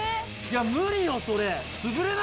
無理よそれ！